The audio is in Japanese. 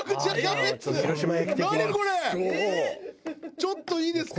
ちょっといいですか？